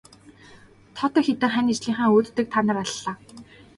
Тоотой хэдэн хань ижлийнхээ өөдтэйг та нар аллаа.